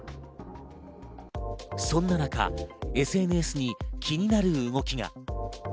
そんな中、ＳＮＳに気になる動きが。